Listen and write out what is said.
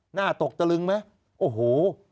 หน้าตกตะลึงไหมโอ้โห